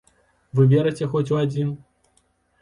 Вы верыце хоць у адзін?